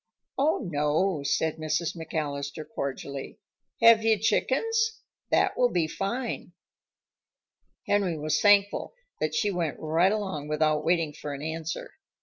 "Oh, no," said Mrs. McAllister cordially. "Have you chickens? That will be fine." Henry was thankful that she went right along without waiting for an answer.